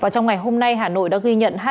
trong ngày hôm nay hà nội đã ghi nhận